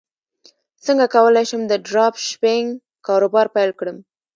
څنګه کولی شم د ډراپ شپینګ کاروبار پیل کړم